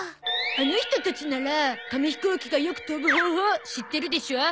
あの人たちなら紙ひこうきがよく飛ぶ方法を知ってるでしょう？